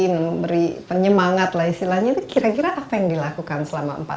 memberi penyemangat lah istilahnya itu kira kira apa yang dilakukan selama empat tahun